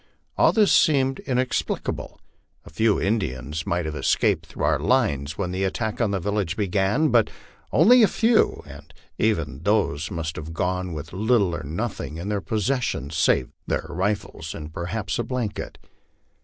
All this seemed inexplicable. A few Indians might have escaped through our lines when the attack on the village began, but only a few, and even these must have gone with little or nothing in their possession save their rifles and perhaps a blanket.